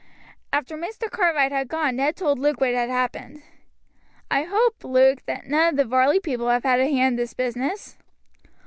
After Mr. Cartwright had gone Ned told Luke what had happened. "I hope, Luke, that none of the Varley people have had a hand in this business?"